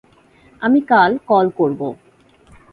আমি কাল কল করবো।